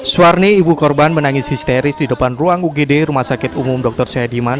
suwarni ibu korban menangis histeris di depan ruang ugd rumah sakit umum dr syadiman